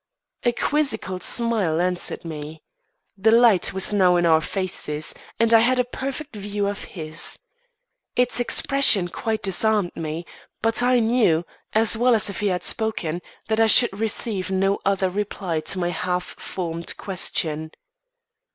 A quizzical smile answered me. The light was now in our faces, and I had a perfect view of his. Its expression quite disarmed me; but I knew, as well as if he had spoken, that I should receive no other reply to my half formed question.